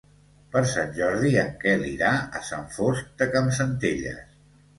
Per Sant Jordi en Quel irà a Sant Fost de Campsentelles.